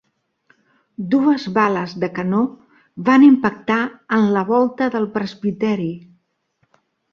Dues bales de canó van impactar en la volta del presbiteri.